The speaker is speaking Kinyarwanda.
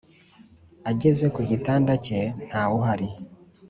ageze kugitanda cye ntawuhari